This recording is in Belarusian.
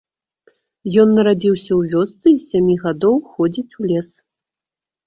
Ён нарадзіўся ў вёсцы і з сямі гадоў ходзіць у лес.